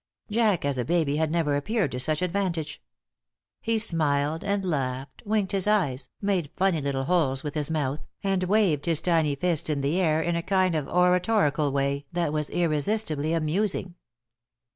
Jack as a baby had never appeared to such advantage. He smiled and laughed, winked his eyes, made funny little holes with his mouth, and waved his tiny fists in the air in a kind of oratorical way that was irresistibly amusing.